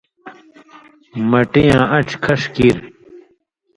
مٹی یاں ان٘ڇھہۡ کھݜ کیریۡ